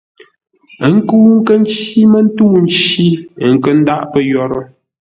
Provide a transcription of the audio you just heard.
Ə́ nkə́u nkə́ ncí mə́ ntə̂u nci, ə́ nkə́ ndáʼ pə́ yórə́.